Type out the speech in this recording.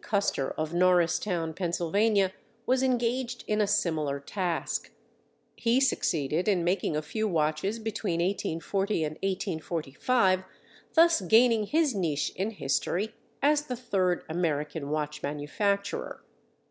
Custer of Norristown, Pennsylvania, was engaged in a similar task. He succeeded in making a few watches between 1840 and 1845, thus gaining his niche in history as the third American watch manufacturer.